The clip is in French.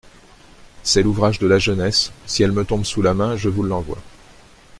C'est l'ouvrage de la jeunesse ; si elle me tombe sous la main, je vous l'envoie.